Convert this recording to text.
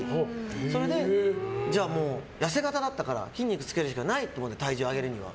それで、痩せ形だったから筋肉つけるしかないと思って体重上げるには。